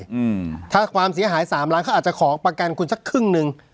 อืมถ้าความเสียหายสามล้านเขาอาจจะขอประกันคุณสักครึ่งหนึ่ง